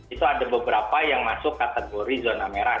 itu ada beberapa yang masuk kategori zona merah